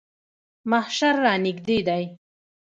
محشر رانږدې دی.